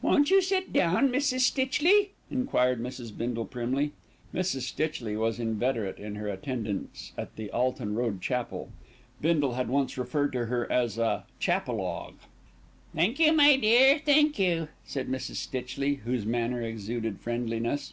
"Won't you sit down, Mrs. Stitchley?" enquired Mrs. Bindle primly. Mrs. Stitchley was inveterate in her attendance at the Alton Road Chapel; Bindle had once referred to her as "a chapel 'og." "Thank you, my dear, thank you," said Mrs. Stitchley, whose manner exuded friendliness.